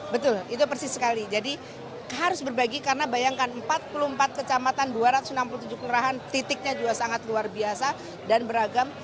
betul itu persis sekali jadi harus berbagi karena bayangkan empat puluh empat kecamatan dua ratus enam puluh tujuh kelurahan titiknya juga sangat luar biasa dan beragam